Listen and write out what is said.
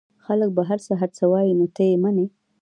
خلک به هرڅه هرڅه وايي نو ته يې منې؟